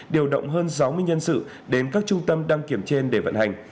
điều động hơn sáu mươi nhân sự đến các trung tâm đăng kiểm trên để vận hành